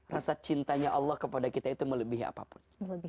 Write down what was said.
rasa cintanya allah kepada kita itu melebihi apapun